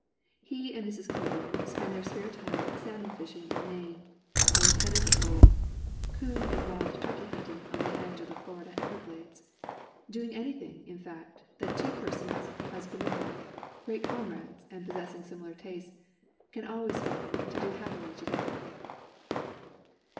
He and Mrs. Coburn spend their spare time salmon fishing in Maine, playing tennis at Lowell, coon and wild turkey hunting on the edge of the Florida ever ELEANOR HALLOWELL ABBOTT 333 glades doing anything, in fact, that two persons, husband and wife, great comrades and possessing similar tastes, can always find to do happily together.